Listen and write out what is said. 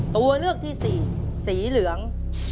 ตัวเลือกที่สี่สีเหลือง